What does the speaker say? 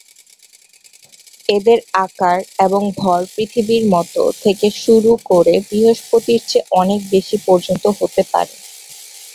এদের আকার এবং ভর পৃথিবীর মত থেকে শুরু করে বৃহস্পতির চেয়ে অনেক বেশি পর্যন্ত হতে পারে।